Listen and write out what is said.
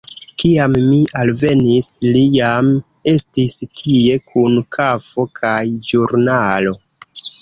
Kiam mi alvenis, li jam estis tie, kun kafo kaj ĵurnalo.